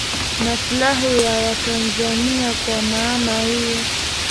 maslahi ya watanzania kwa maana hiyo